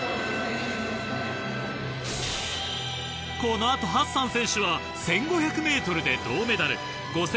この後ハッサン選手は１５００ｍで銅メダル。